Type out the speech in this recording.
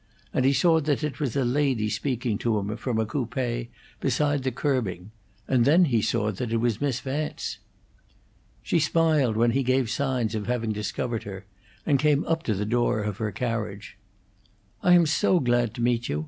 and he saw that it was a lady speaking to him from a coupe beside the curbing, and then he saw that it was Miss Vance. She smiled when he gave signs of having discovered her, and came up to the door of her carriage. "I am so glad to meet you.